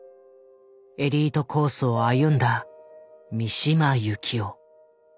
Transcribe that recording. エリートコースを歩んだ三島由紀夫。